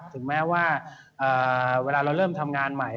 ถึงแม้ว่าเวลาเราเริ่มทำงานใหม่